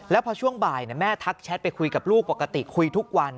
แล้วพอช่วงบ่ายแม่ทักแชทไปคุยกับลูกปกติคุยทุกวัน